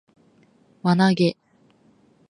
輪投げ